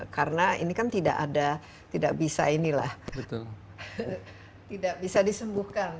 karena ini kan tidak bisa disembuhkan